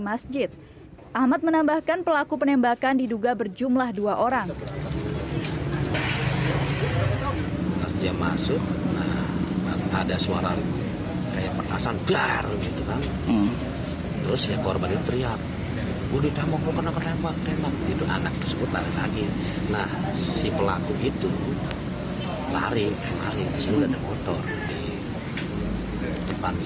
masjid ahmad menambahkan pelaku penembakan diduga berjumlah dua orang dia masuk ada suara perasaan